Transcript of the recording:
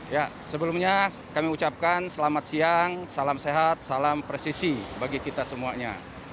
ya sebelumnya kami ucapkan selamat siang salam sehat salam presisi bagi kita semuanya